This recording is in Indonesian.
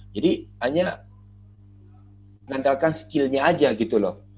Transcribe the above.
jadi hanya mengandalkan skillnya aja gitu loh